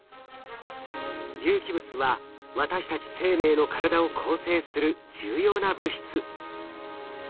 有機物は私たち生命の体を構成する重要な物質。